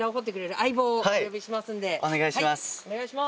お願いします。